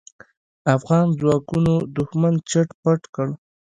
افغان ځواکونو دوښمن چټ پټ کړ.